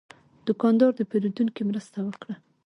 دوکاندار د پیرودونکي مرسته وکړه.